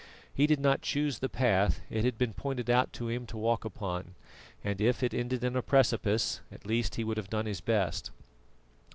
He did not choose the path, it had been pointed out to him to walk upon; and if it ended in a precipice, at least he would have done his best.